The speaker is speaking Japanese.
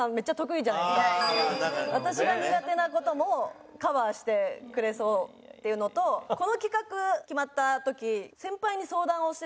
私が苦手な事もカバーしてくれそうっていうのとこの企画決まった時先輩に相談をしてて。